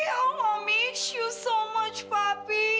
oh mami aku sangat rindu papi